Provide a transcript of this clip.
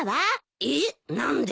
えっ何で？